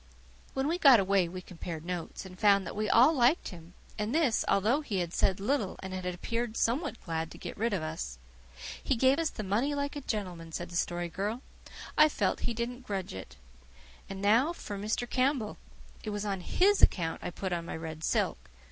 When we got away we compared notes, and found that we all liked him and this, although he had said little and had appeared somewhat glad to get rid of us. "He gave us the money like a gentleman," said the Story Girl. "I felt he didn't grudge it. And now for Mr. Campbell. It was on HIS account I put on my red silk.